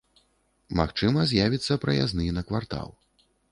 Магчыма, з'явіцца праязны на квартал.